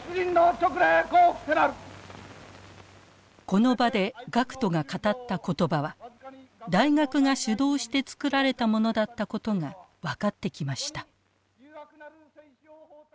この場で学徒が語った言葉は大学が主導して作られたものだったことが分かってきました。